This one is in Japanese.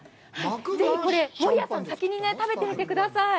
ぜひこれ守屋さん、先に食べてみてください。